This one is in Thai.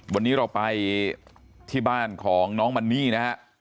วันนี้เราไปที่บ้านของน้องมันนี่นะฮะ